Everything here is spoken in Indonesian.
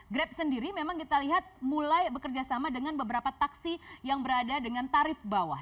grab sendiri memang kita lihat mulai bekerja sama dengan beberapa taksi yang berada dengan tarif bawah